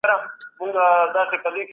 زکات ورکول مال نه کموي.